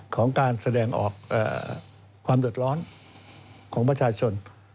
ของการแสดงออกความเดือดร้อนของประชาชน